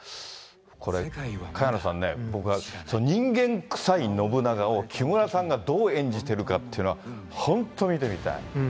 これ、萱野さんね、僕は人間くさい信長を木村さんがどう演じてるかっていうのは、本当に見てみたい。